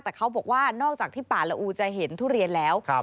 แต่เขาบอกว่านอกจากที่ป่าละอูจะเห็นทุเรียนแล้ว